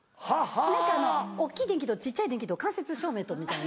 何か大っきい電気と小っちゃい電気と間接照明とみたいな。